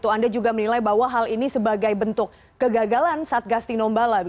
anda juga menilai bahwa hal ini sebagai bentuk kegagalan satgas tinombala